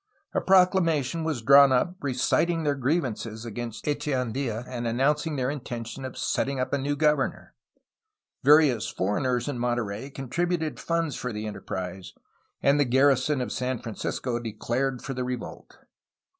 A proclama tion was drawn up reciting their grievances against Echean dla and announcing their intention of setting up a new gov ernor. Various foreigners in Monterey contributed funds for the enterprise, and the garrison of San Francisco declared for the revolt.